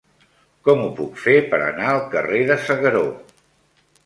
Com ho puc fer per anar al carrer de S'Agaró?